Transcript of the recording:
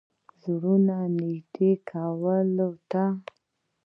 زړونو نېږدې کولو ته.